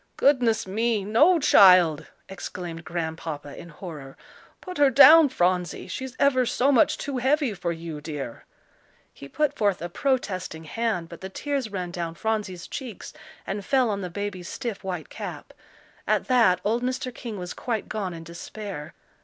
"Goodness me! no, child!" exclaimed Grandpapa, in horror. "Put her down, Phronsie; she's ever so much too heavy for you, dear." He put forth a protesting hand, but the tears ran down Phronsie's cheeks and fell on the baby's stiff white cap. At that old Mr. King was quite gone in despair.